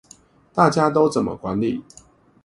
大家都怎麼管理